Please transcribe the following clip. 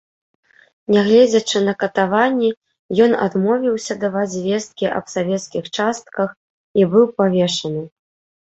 Нягледзячы на катаванні, ён адмовіўся даваць звесткі аб савецкіх частках, і быў павешаны.